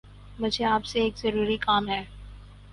مجھے آپ سے ایک ضروری کام ہے